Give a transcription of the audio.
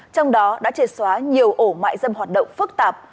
trong đó đã chệt xóa nhiều ổ mại dâm hoạt động phức tạp